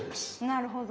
なるほど。